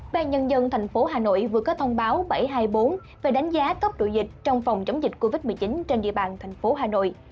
về nhân dân thành phố hà nội vừa có thông báo bảy trăm hai mươi bốn về đánh giá cấp độ dịch trong phòng chống dịch covid một mươi chín trên địa bàn thành phố hà nội